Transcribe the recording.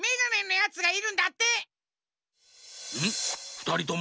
ふたりとも？